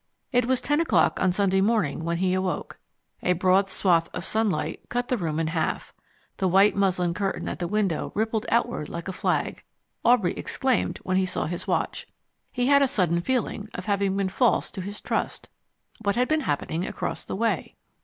It was ten o'clock on Sunday morning when he awoke. A broad swath of sunlight cut the room in half: the white muslin curtain at the window rippled outward like a flag. Aubrey exclaimed when he saw his watch. He had a sudden feeling of having been false to his trust. What had been happening across the way?